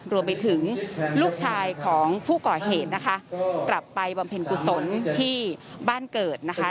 รวมไปถึงลูกชายของผู้ก่อเหตุนะคะกลับไปบำเพ็ญกุศลที่บ้านเกิดนะคะ